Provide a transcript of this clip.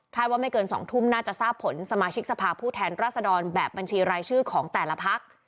ถ้าว่าไม่เกิน๒ทุ่มน่าจะทราบผลสมาชิกสภาพผู้แทนรัศดรแบบบัญชีรายชื่อของแต่ละพัก